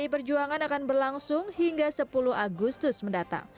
itu jaminannya saya